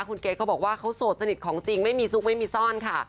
คุณเกรทเขาบอกว่าเขาโสดสนิทของจริงไม่มีซุกไม่มีซ่อนค่ะ